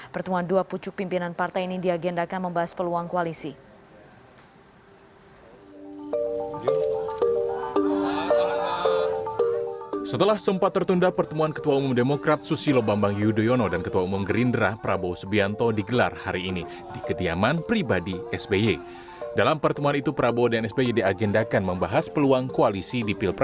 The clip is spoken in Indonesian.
pertemuan dua pucuk pimpinan partai ini diagendakan membahas peluang koalisi